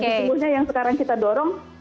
dan sesungguhnya yang sekarang kita dorong